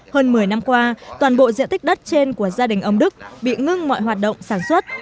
hơn một mươi năm qua toàn bộ diện tích đất trên của gia đình ông đức bị ngưng mọi hoạt động sản xuất